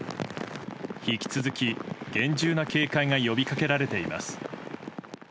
引き続き、厳重な警戒が呼びかけられています。